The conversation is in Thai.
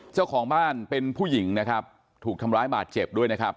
เจ้าของบ้านเป็นผู้หญิงนะครับถูกทำร้ายบาดเจ็บด้วยนะครับ